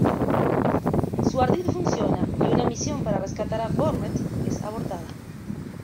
Su ardid funciona y una misión para rescatar a "Burnett" es abortada.